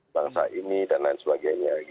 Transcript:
bangsa ini dan lain sebagainya